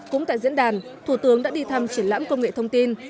cũng tại diễn đàn thủ tướng đã đi thăm triển lãm công nghệ thông tin